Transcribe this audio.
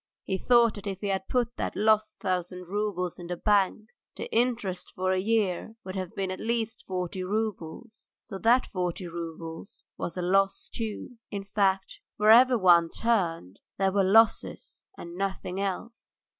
He thought that if he had put that lost thousand roubles in the bank, the interest for a year would have been at least forty roubles, so that forty roubles was a loss too. In fact, wherever one turned there were losses and nothing else.